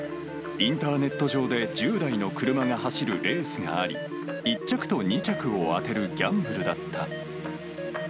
インターネット上で１０台の車が走るレースがあり、１着と２着を当てるギャンブルだった。